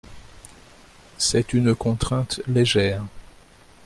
C’est une contrainte légère.